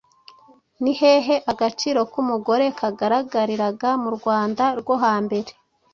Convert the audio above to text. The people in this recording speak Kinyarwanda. Ni hehe agaciro k’umugore kagaragariraga mu Rwanda rwo hambere?